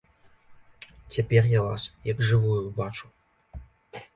Цяпер я вас як жывую бачу.